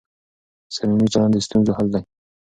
صميمي چلند د ستونزو حل دی.